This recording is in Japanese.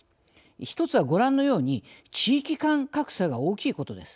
１つはご覧のように地域間格差が大きいことです。